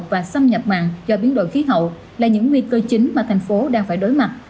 và xâm nhập mặn do biến đổi khí hậu là những nguy cơ chính mà thành phố đang phải đối mặt